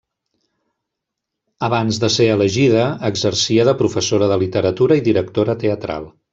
Abans de ser elegida, exercia de professora de literatura i directora teatral.